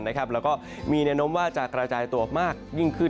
และมีแนะนำว่าจะกระจายตัวมากยิ่งขึ้น